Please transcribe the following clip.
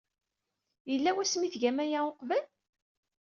Yella wasmi ay tgam aya uqbel?